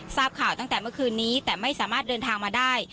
ทราบข่าวตั้งแต่เมื่อคืนนี้แต่ไม่สามารถเดินทางมาได้